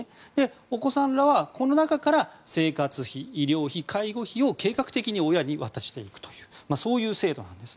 お子さんらはこの中から生活費、医療費、介護費を計画的に親に渡していくというそういう制度なんです。